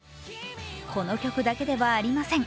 この曲だけではありません。